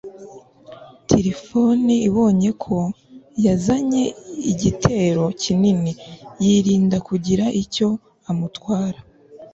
tirifoni abonye ko yazanye igitero kinini, yirinda kugira icyo amutwara